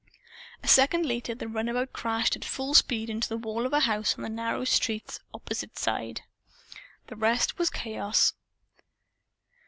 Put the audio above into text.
A second later the runabout crashed at full speed into the wall of a house on the narrow street's opposite side. The rest was chaos.